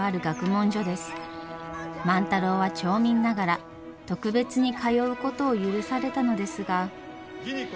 万太郎は町民ながら特別に通うことを許されたのですが。